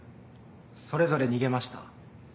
それぞれ逃げました。